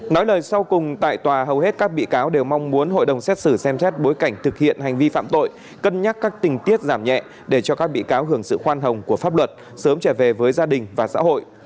nói lời sau cùng tại tòa hầu hết các bị cáo đều mong muốn hội đồng xét xử xem xét bối cảnh thực hiện hành vi phạm tội cân nhắc các tình tiết giảm nhẹ để cho các bị cáo hưởng sự khoan hồng của pháp luật sớm trở về với gia đình và xã hội